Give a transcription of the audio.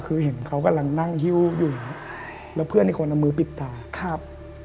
คือเห็นเขากำลังนั่งหิ้วอยู่แล้วเพื่อนอีกคนเอามือปิดตาครับ